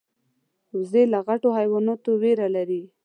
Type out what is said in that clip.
وزې له غټو حیواناتو ویره لري